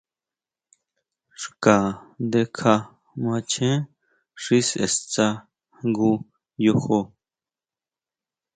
Xka ndekja macheén xi sʼe stsá jngu yojo.